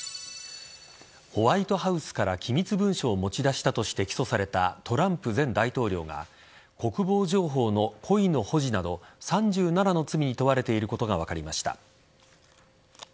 ホワイトハウスから機密文書を持ち出したとして起訴されたトランプ前大統領が国防情報の故意の保持など３７の罪に問われていることが分かりました。